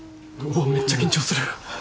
うわめっちゃ緊張する。